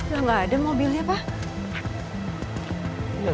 udah gak ada mobilnya pak